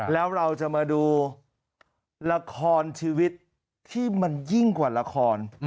แล้วเราจะมาดูละครชีวิตที่มันยิ่งกว่าละคร